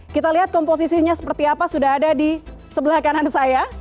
kita lihat komposisinya seperti apa sudah ada di sebelah kanan saya